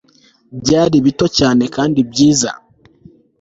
byari bito cyane kandi byiza